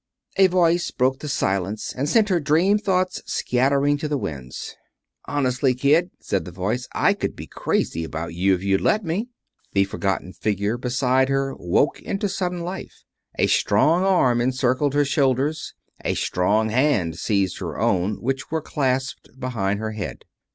A voice broke the silence, and sent her dream thoughts scattering to the winds. "Honestly, kid," said the voice, "I could be crazy about you, if you'd let me." The forgotten figure beside her woke into sudden life. A strong arm encircled her shoulders. A strong hand seized her own, which were clasped behind her head.